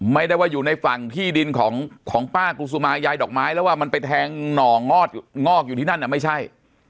ไม่ได้ว่าอยู่ในฝั่งที่ดินของป้ากุศุมายายดอกไม้แล้วว่ามันไปแทงหน่องอกงอกอยู่ที่นั่นไม่ใช่